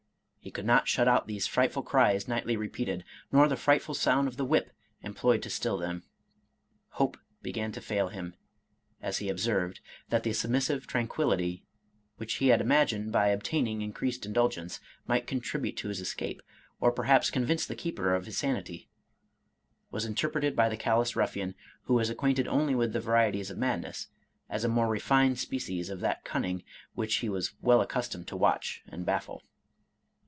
He could not shut out these frightful cries nightly repeated, nor the frightful sound of the whip employed to still them. Hope began to fail him, as he observed, that the submissive tranquillity (which he had imagined, by ob taining increased indulgence, might contribute to his escape, or perhaps convince the keeper of his sanity) was inter preted by the callous ruffian, who was acquainted only with the varieties of madness, as a more refined species of that cunning which he was well accustomed to watch and baffle.